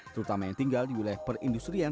terutama yang tinggal di wilayah perindustrian